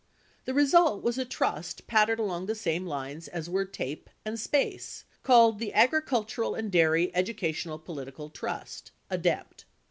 21 The result was a trust patterned along the same lines as were TAPE and SPACE, called the Agricultural and Dairy Educational Political Trust (ADEPT).